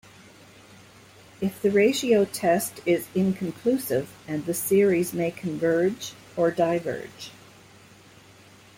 If the ratio test is inconclusive, and the series may converge or diverge.